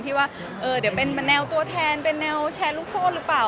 ที่ว่าเดี๋ยวเป็นแนวตัวแทนเป็นแนวแชร์ลูกโซ่หรือเปล่า